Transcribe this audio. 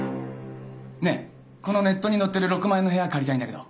ねっこのネットに載ってる６万円の部屋借りたいんだけど。